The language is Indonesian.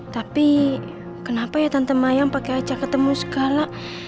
tapi kenapa ya tante mayang pakai acak ketemu segala